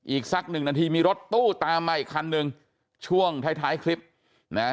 อีกสักหนึ่งนาทีมีรถตู้ตามมาอีกคันหนึ่งช่วงท้ายท้ายคลิปนะ